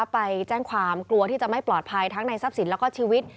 ไปแจ้งความกลัวที่จะไม่ปลอดภัยทั้งในทรัพย์สินแล้วก็ชีวิต